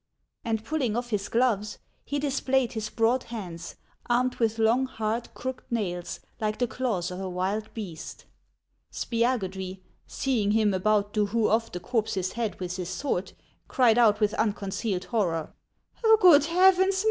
And pulling off his gloves, he displayed his broad hands, armed with long, hard, crooked nails, like the claws of a wild beast. Spiagudry, seeing him about to hew off the corpse's head with his sword, cried out with unconcealed horror, " Good heavens